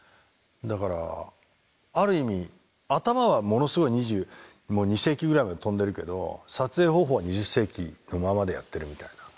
だからある意味頭はものすごい２２世紀ぐらいまで飛んでるけど撮影方法は２０世紀のままでやってるみたいな。